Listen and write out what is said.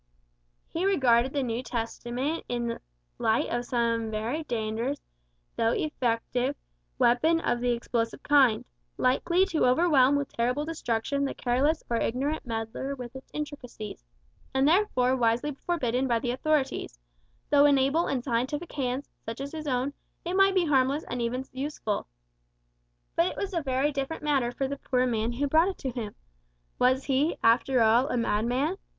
He regarded the New Testament in the light of some very dangerous, though effective, weapon of the explosive kind; likely to overwhelm with terrible destruction the careless or ignorant meddler with its intricacies, and therefore wisely forbidden by the authorities; though in able and scientific hands, such as his own, it might be harmless and even useful. But it was a very different matter for the poor man who brought it to him. Was he, after all, a madman?